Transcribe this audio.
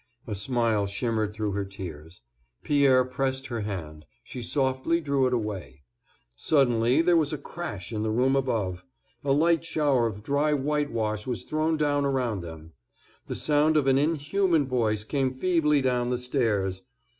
A smile shimmered through her tears. Pierre pressed her hand; she softly drew it away. Suddenly there was a crash in the room above; a light shower of dry white wash was thrown down around them; the sound of an inhuman voice came feebly down the stairs.